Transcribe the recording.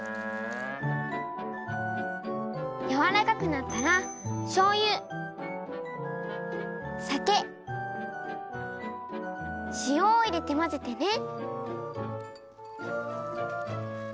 やわらかくなったらしょうゆさけしおをいれてまぜてね。